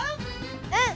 うん！